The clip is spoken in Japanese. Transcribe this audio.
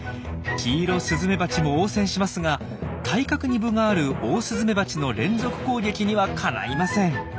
キイロスズメバチも応戦しますが体格に分があるオオスズメバチの連続攻撃にはかないません。